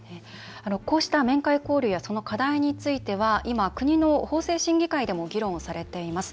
こうした面会交流やその課題については今、国の法制審議会でも議論されています。